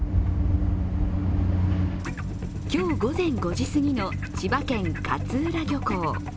今日午前５時すぎの千葉県勝浦漁港。